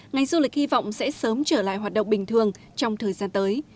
ngành du lịch hy vọng sẽ sớm trở lại hoạt động bình thường trong thời gian tới